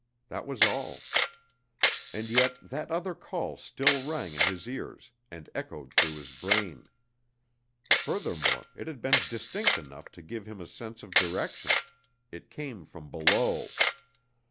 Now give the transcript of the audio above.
That was all. And yet that other call still rang in his ears and echoed through his brain. Furthermore, it had been distinct enough to give him a sense of direction; it came from below.